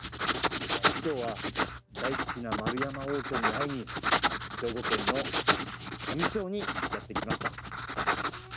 今日は大好きな円山応挙に会いに兵庫県の香美町にやって来ました。